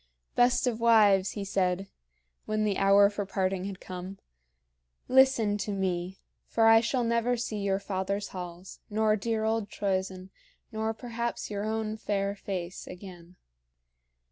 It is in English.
"Best of wives," he said, when the hour for parting had come, "listen to me, for I shall never see your father's halls, nor dear old Troezen, nor perhaps your own fair face, again.